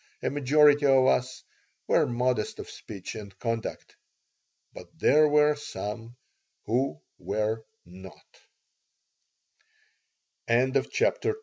A majority of us were modest of speech and conduct. But there were some who were not CHAPTER III WHEN